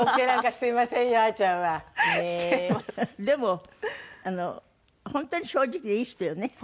でも本当に正直でいい人よね。